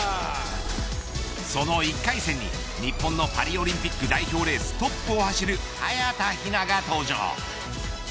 その１回戦に、日本のパリオリンピック代表トップを走る早田ひなが登場。